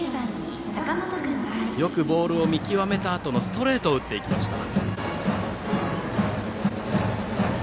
よくボールを見極めたあとのストレートを打っていきました。